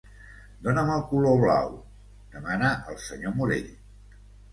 Dóna'm el color blau —demana el senyor Morell.